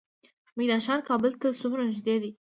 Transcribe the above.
میدان ښار کابل ته څومره نږدې دی؟